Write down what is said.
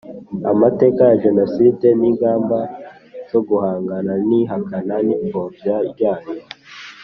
amateka ya Jenoside n ingamba zo guhangana n ihakana nipfobya ryayo